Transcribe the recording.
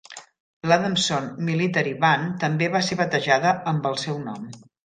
L'Adamson Military Band també va ser batejada amb el seu nom.